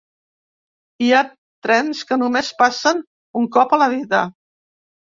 Hi ha trens que només passen un cop a la vida.